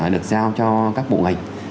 được giao cho các bộ ảnh